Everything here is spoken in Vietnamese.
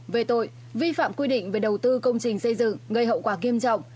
về tội vi phạm quy định về đầu tư công trình xây dựng gây hậu quả nghiêm trọng